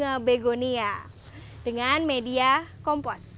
dengan begonia dengan media kompos